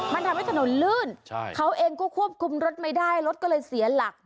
มันทำให้ถนนลื่นเขาเองก็ควบคุมรถไม่ได้รถก็เลยเสียหลัก